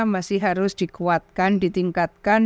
masih harus dikuatkan ditingkatkan